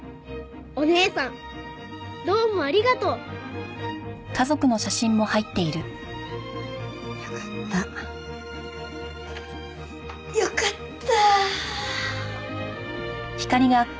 「お姉さんどうもありがとう」よかった。よかった！